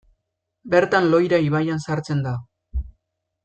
Bertan Loira ibaian sartzen da.